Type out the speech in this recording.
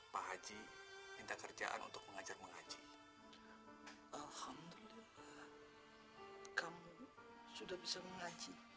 pak haji minta kerjaan untuk mengajar mengaji alhamdulillah kamu sudah bisa mengaji